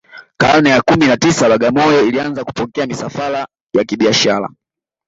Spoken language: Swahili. karne ya kumi na tisa bagamoyo ilianza kupokea misafara ya kibiashara